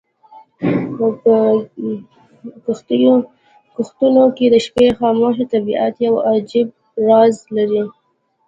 په کښتونو کې د شپې خاموشي د طبیعت یو عجیب راز لري.